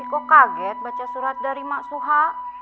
kok kaget baca surat dari mak suha